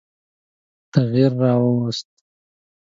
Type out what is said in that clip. تغییر را ووست.